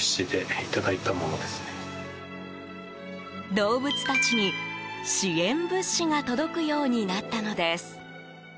動物たちに支援物資が届くようになったのです。